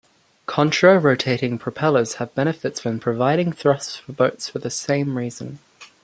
Contra-rotating propellers have benefits when providing thrust for boats for the same reasons.